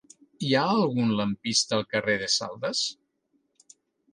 Hi ha algun lampista al carrer de Saldes?